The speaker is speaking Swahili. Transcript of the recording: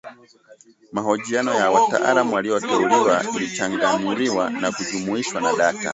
mahojiano ya wataalamu walioteuliwa ilichanganuliwa na kujumuishwa na data